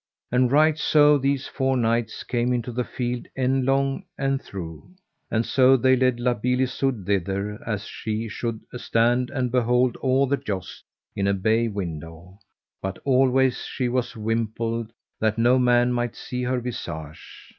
And right so these four knights came into the field endlong and through. And so they led La Beale Isoud thither as she should stand and behold all the jousts in a bay window; but always she was wimpled that no man might see her visage.